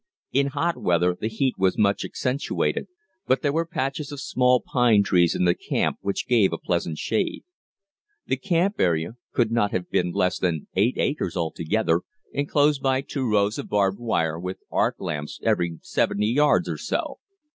In hot weather the heat was much accentuated, but there were patches of small pine trees in the camp which gave a pleasant shade. The camp area could not have been less than eight acres altogether, enclosed by two rows of barbed wire, with arc lamps every seventy yards or so.